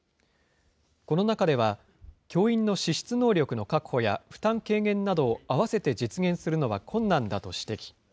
この中では、教員の資質能力の確保や負担軽減などを併せて実現するのは困難だと指摘。